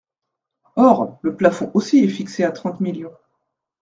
Or, le plafond aussi est fixé à trente millions.